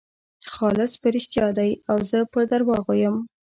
خالص په رښتیا دی او زه په درواغو یم.